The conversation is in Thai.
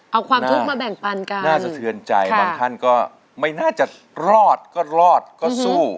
เอาความทุกข์มาแบ่งปันกันน่าสะเทือนใจบางท่านก็ไม่น่าจะรอดก็รอดก็สู้